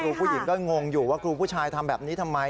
ผู้หญิงก็งงอยู่ว่าครูผู้ชายทำแบบนี้ทำไม